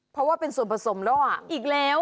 เพราะว่าเป็นส่วนผสมล่อ